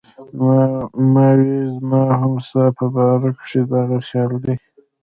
ما وې زما هم ستا پۀ باره کښې دغه خيال دی